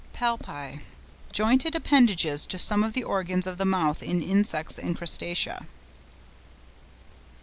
PALPI.—Jointed appendages to some of the organs of the mouth in insects and Crustacea.